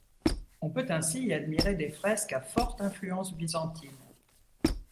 On peut ainsi y admirer des fresques à forte influence byzantine.